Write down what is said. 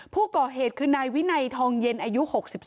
ผู้ก่อเหตุคือนายวินัยทองเย็นอายุ๖๒